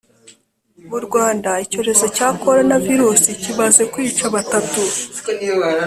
Murwanda icyorezo cya korona virusi kimaze kwica batatu